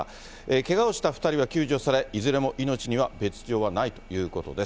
けがをした２人は救助され、いずれも命には別状はないということです。